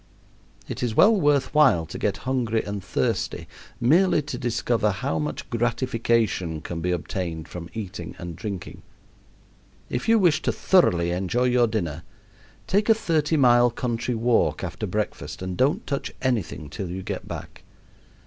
It is well worth while to get hungry and thirsty merely to discover how much gratification can be obtained from eating and drinking. If you wish to thoroughly enjoy your dinner, take a thirty mile country walk after breakfast and don't touch anything till you get back.